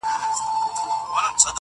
هم په زور او هم په ظلم آزمېیلي.!